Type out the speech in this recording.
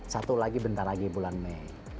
satu lagi bentar lagi bulan mei